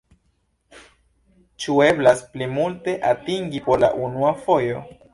Ĉu eblas pli multe atingi por la unua fojo?